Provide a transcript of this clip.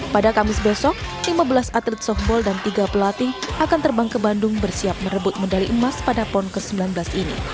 pada kamis besok lima belas atlet softball dan tiga pelatih akan terbang ke bandung bersiap merebut medali emas pada pon ke sembilan belas ini